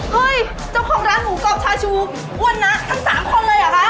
เจ้าของร้านหมูกรอบชาชูอ้วนนะทั้ง๓คนเลยเหรอคะ